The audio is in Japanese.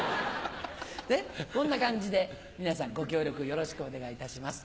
こんな感じで皆さんご協力よろしくお願いいたします。